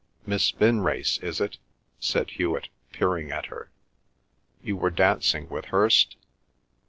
"Miss Vinrace, is it?" said Hewet, peering at her. "You were dancing with Hirst?"